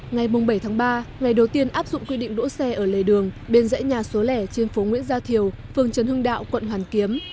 ngày bảy tháng ba ngày đầu tiên áp dụng quy định đỗ xe ở lề đường bên dãy nhà số lẻ trên phố nguyễn gia thiều phường trần hưng đạo quận hoàn kiếm